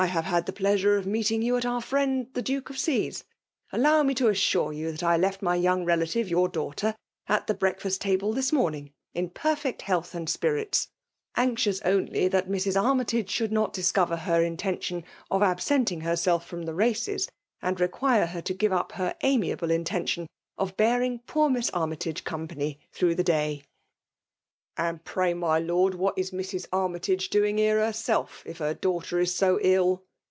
have had the pleasure of meatr ing you at our finend the JHike of C's^ Allow me to assure you that I left my young jehc live, your daughter, at the brealtfasli table this morning, » perfect health and spieito; anxious only that Mrs. Armytage sliould not dSacover her intention of absenting hetsolf fiom the races, and require her to give i^ hnr amiable intmtmn of bearing poor Miss Aonj^ tage compaiqr through the day/' '' And pray, my ]ord> what is Mrs. Army tage doing here herself, if her daughter is so ill